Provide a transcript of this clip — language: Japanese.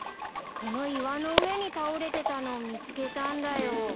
この岩の上に倒れてたのを見つけたんだよ。